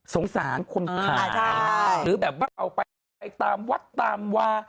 สงสารคนขายหรือแบบว่าเอาไปตามวัดตามวา